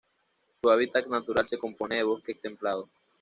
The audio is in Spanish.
Su hábitat natural se compone de bosque templado.